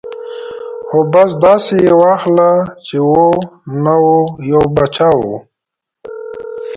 ـ خو بس داسې یې واخله چې و نه و ، یو باچا و.